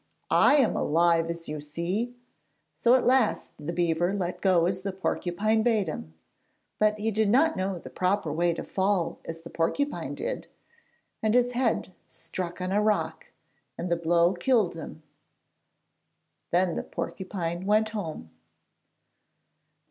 I am alive as you see,' so at last the beaver let go as the porcupine bade him. But he did not know the proper way to fall as the porcupine did, and his head struck on a rock, and the blow killed him. Then the porcupine went home.